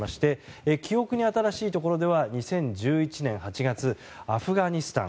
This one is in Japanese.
記憶に新しいところでは２０２１年８月アフガニスタン。